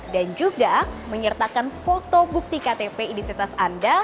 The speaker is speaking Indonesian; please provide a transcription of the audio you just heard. dan juga menyertakan foto bukti ktp identitas anda